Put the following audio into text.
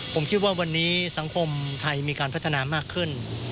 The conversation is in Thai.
ผมคิดว่าวันนี้สังคมไทยมีการพัฒนามากขึ้น